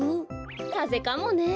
かぜかもね。